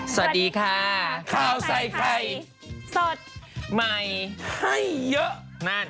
สวัสดีค่ะข้าวใส่ไข่สดใหม่ให้เยอะนั่น